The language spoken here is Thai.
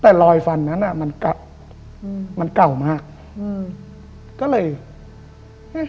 แต่รอยฟันนั้นอ่ะมันเก่าอืมมันเก่ามากอืมก็เลยเอ๊ะ